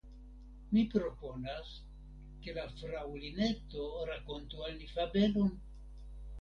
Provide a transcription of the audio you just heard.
Mi proponas ke la Fraŭlineto rakontu al ni fabelon?